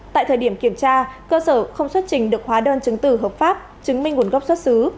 tại thời điểm kiểm tra cơ sở không xuất trình được hóa đơn chứng tử hợp pháp chứng minh nguồn gốc xuất xứ